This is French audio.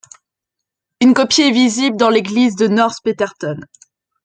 Une copie est visible dans l'église de North Petherton.